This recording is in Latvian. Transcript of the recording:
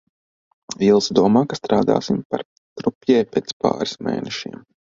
Ilze domā, ka strādāsim par krupjē pēc pāris mēnešiem.